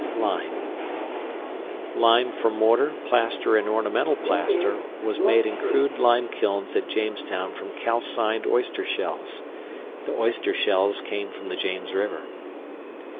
LIME Lime for mortar, plaster, and ornamental plaster was made in crude lime kilns at Jamestown from calcined oyster shells. The oyster shells came from the James River.